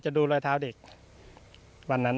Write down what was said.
ดูรอยเท้าเด็กวันนั้น